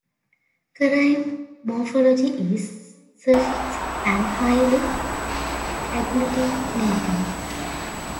Karaim morphology is suffixing and highly agglutinating.